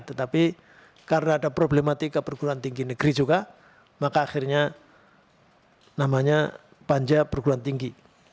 tetapi karena ada problematika perguruan tinggi negeri juga maka akhirnya namanya panja perguruan tinggi